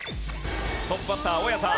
トップバッター大家さん。